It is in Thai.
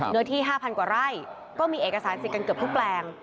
เนื้อที่๕๐๐กว่าไร่ก็มีเอกสารสิทธิ์กันเกือบทุกแปลง